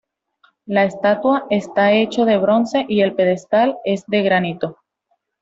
La estatua está hecho de bronce, y el pedestal es de granito.